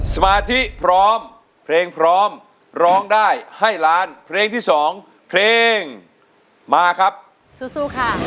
สมาธิพร้อมเพลงพร้อมร้องได้ให้ล้านเพลงที่สองเพลงมาครับสู้ค่ะ